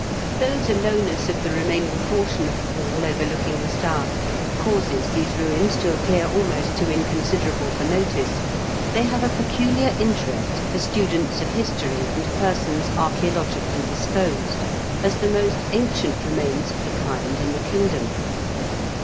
Though the lowness of the remaining portion of the wall overlooking the Stour causes these ruins to appear almost too in considerable for notice, they have a peculiar interest for students of history and persons arch^logicaUy disposed as Jmost Ldent remains of the kind in the kingdom.